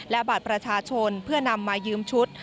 และบัตรประชาชนเพื่อนำมายืมชุด